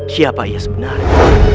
siapa ia sebenarnya